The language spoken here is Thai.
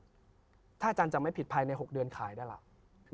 ถ้าอาจารย์จำไม่ผิดภายใน๖เดือนขายได้ล่ะ